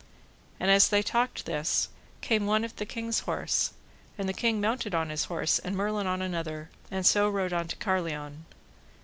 And as they talked this, came one with the king's horse, and so the king mounted on his horse, and Merlin on another, and so rode unto Carlion.